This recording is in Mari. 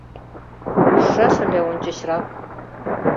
Ужшаш ыле ончычрак